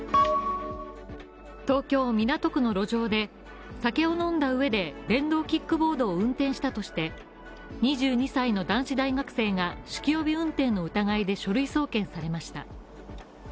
東京・港区の路上で、酒を飲んだうえで電動キックボードを運転したとして２２歳の男子大学生が酒気帯び運転の疑いで書類送検されました。